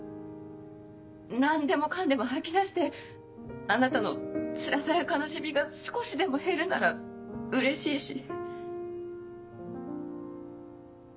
何でもかんでも吐き出してあなたのつらさや悲しみが少しでも減るならうれしいし。